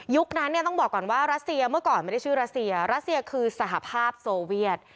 นั้นเนี่ยต้องบอกก่อนว่ารัสเซียเมื่อก่อนไม่ได้ชื่อรัสเซียรัสเซียคือสหภาพโซเวียต